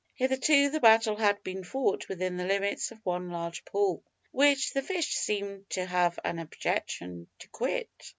Hitherto the battle had been fought within the limits of one large pool, which the fish seemed to have an objection to quit.